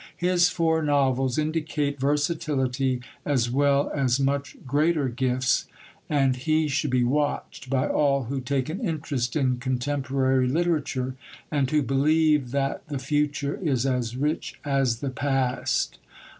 His four novels indicate versatility as well as much greater gifts; and he should be watched by all who take an interest in contemporary literature and who believe that the future is as rich as the past.